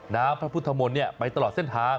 พระพุทธมนต์ไปตลอดเส้นทาง